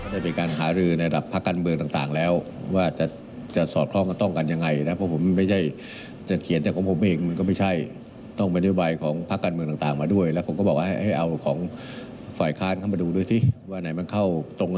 ได้ไม่มากเท่าที่ทุกคนต้องการ